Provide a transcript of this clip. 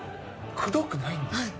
くどくないんですよ。